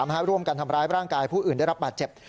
ทำร้ายร่างกายผู้อื่นได้รับประเจ็บ